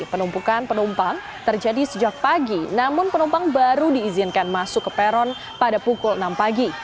penumpukan penumpang terjadi sejak pagi namun penumpang baru diizinkan masuk ke peron pada pukul enam pagi